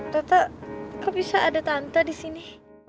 rata kok bisa ada tante disini